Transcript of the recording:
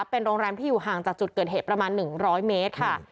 เป็นโรงแรมที่อยู่ห่างจากจุดเกิดเหตุประมาณ๑๐๐เมตรค่ะ